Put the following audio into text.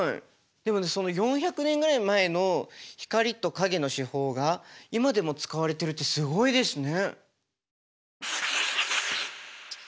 でも４００年ぐらい前の光と影の手法が今でも使われてるってすごいですね。